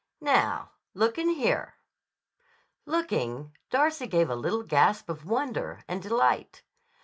"Now. Look in here." Looking, Darcy gave a little gasp of wonder and delight.